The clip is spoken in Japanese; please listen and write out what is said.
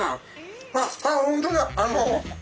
あの。